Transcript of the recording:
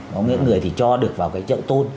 có những người thì cho được vào cái chậu tôn